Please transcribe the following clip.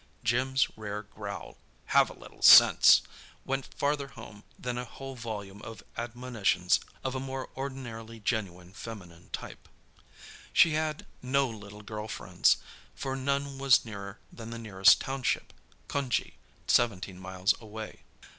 Jim's rare growl, "Have a little sense!" went farther home than a whole volume of admonitions of a more ordinarily genuine feminine type. She had no little girl friends, for none was nearer than the nearest township—Cunjee, seventeen miles away.